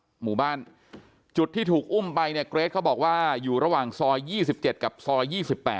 หมู่บ้านจุดที่ถูกอุ้มไปเนี่ยเกรทเขาบอกว่าอยู่ระหว่างซอย๒๗กับซอย๒๘